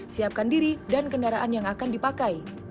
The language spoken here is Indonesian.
siapkan diri dan kendaraan yang akan dipakai